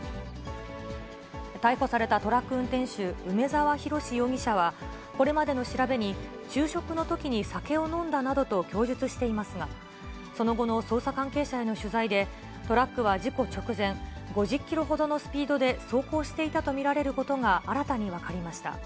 逮捕されたトラック運転手、梅沢洋容疑者は、これまでの調べに、昼食のときに酒を飲んだなどと供述していますが、その後の捜査関係者への取材で、トラックは事故直前、５０キロほどのスピードで走行していたと見られることが新たに分かりました。